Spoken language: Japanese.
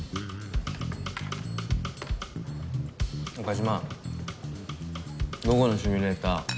岡島午後のシミュレーター